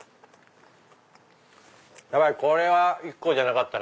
ヤバいこれは１個じゃなかった。